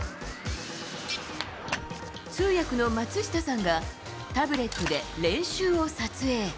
通訳の松下さんが、タブレットで練習を撮影。